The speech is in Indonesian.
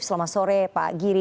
selamat sore pak giri